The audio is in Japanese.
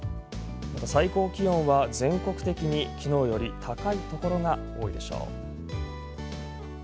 最高気温は全国的に昨日より高いところが多いでしょう。